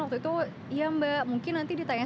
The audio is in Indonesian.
waktu itu iya mbak mungkin nanti ditanya